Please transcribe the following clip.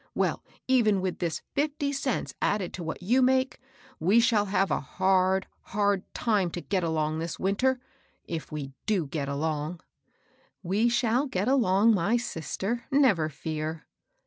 Well, even with this fifty cents added to what you make, we shall have a hard, hard time to get along this winter, — if we (29 get along." " We shall get along, my sister, never fear."